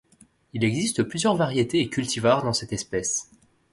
Il existe plusieurs variétés et cultivars dans cette espèce.